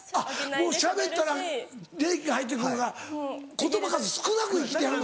もうしゃべったら冷気が入って来るから言葉数少なく生きてはんの。